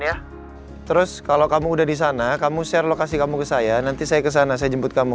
ya terus kalau kamu udah di sana kamu share lokasi kamu ke saya nanti saya kesana saya jemput kamu